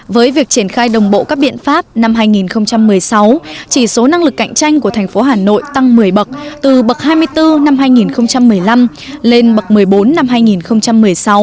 với việc triển khai đồng bộ các biện pháp năm hai nghìn một mươi sáu chỉ số năng lực cạnh tranh của thành phố hà nội tăng một mươi bậc từ bậc hai mươi bốn năm hai nghìn một mươi năm lên bậc một mươi bốn năm hai nghìn một mươi sáu